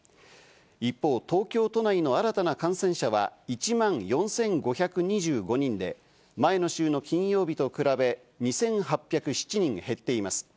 一方、東京都内の新たな感染者は１万４５２５人で、前の週の金曜日と比べ、２８０７人減っています。